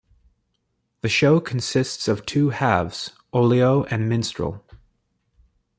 The show consists of two halves, Olio and Minstrel.